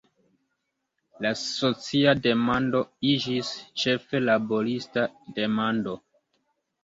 La socia demando iĝis ĉefe laborista demando.